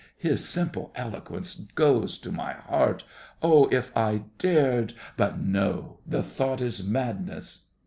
His simple eloquence goes to my heart. Oh, if I dared—but no, the thought is madness!